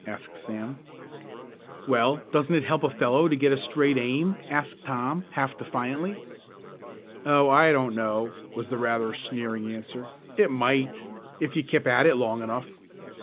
asked Sam. "Well, doesn't it help a fellow to get a straight aim?" asked Tom, half defiantly. "Oh, I don't know," was the rather sneering answer. "It might, if you kept at it long enough."